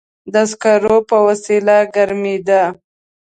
د سکرو په وسیله ګرمېده.